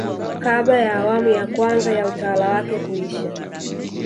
kabla ya awamu ya kwanza ya utawala wake kuisha